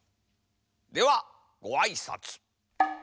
ではごあいさつ。